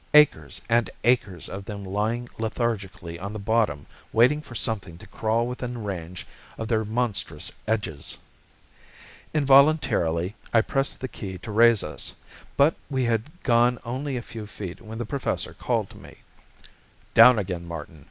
Acres and acres of them lying lethargically on the bottom waiting for something to crawl within range of their monstrous edges! Involuntarily I pressed the key to raise us. But we had gone only a few feet when the Professor called to me. "Down again, Martin.